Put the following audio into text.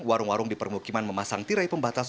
warung warung di permukiman memasang tirai pembatas